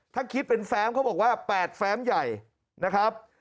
ถ้าคิดเป็นแฟ้มเขาบอกว่า๘แฟ้มใหญ่นะครับ